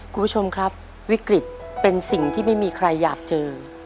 คุณผู้ชมครับวิกฤตเป็นสิ่งที่ไม่มีใครอยากเจอ